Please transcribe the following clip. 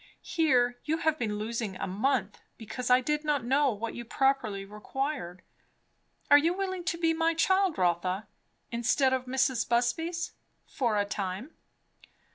Here you have been losing a month, because I did not know what you properly required. Are you willing to be my child, Rotha? instead of Mrs. Busby's? for a time?"